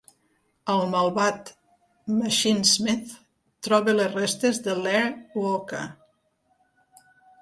El malvat Machinesmith troba les restes de l'Air-Walker.